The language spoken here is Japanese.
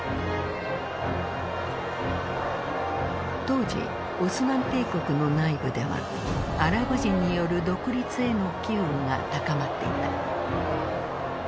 当時オスマン帝国の内部ではアラブ人による独立への機運が高まっていた。